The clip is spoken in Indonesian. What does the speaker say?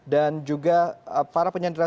dan juga para penyandera